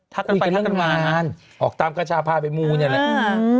ทักกันไปทักกันมาออกตามกระชาภาพไปมูนอย่างนั้นแหละอืม